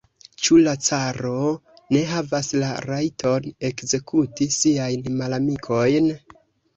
Ĉu la caro ne havas la rajton ekzekuti siajn malamikojn?